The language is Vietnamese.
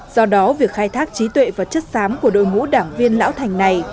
do đó việc khai thác trí tuệ và chất xám của đội ngũ đảng viên lão thành này